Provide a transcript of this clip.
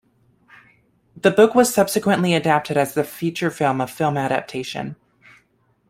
The book was subsequently adapted as the feature film a film adaptation.